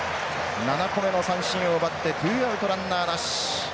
７個目の三振を奪ってツーアウトランナーなし。